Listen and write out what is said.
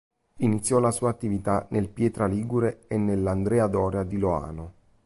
Iniziò la sua attività nel Pietra Ligure e nell'Andrea Doria di Loano.